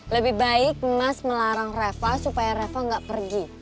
lebih baik mas melarang rafa supaya rafa gak pergi